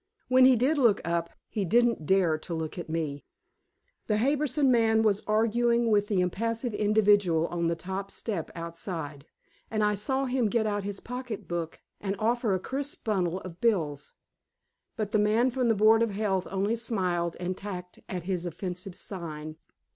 When he did look up, he didn't dare to look at me. The Harbison man was arguing with the impassive individual on the top step outside, and I saw him get out his pocketbook and offer a crisp bundle of bills. But the man from the board of health only smiled and tacked at his offensive sign.